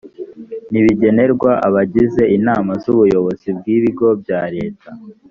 ni ibigenerwa abagize inama z’ubuyobozi bw’ibigo bya leta